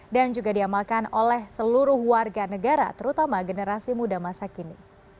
dan juga diamalkan oleh seluruh warga negara terutama generasi muda masa kini